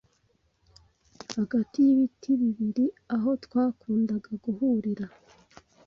hagati y ibiti bibiri aho twakundaga guhurira